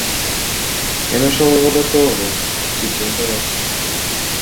Я нашел его готового пуститься в дорогу.